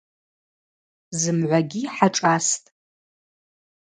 Зымгӏвагьи хӏашӏастӏ.